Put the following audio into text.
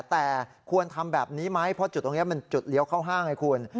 แต่ควรทำแบบนี้ไหมเพราะจุดตรงนี้มันจุดเลี้ยวเข้าห้างไงคุณ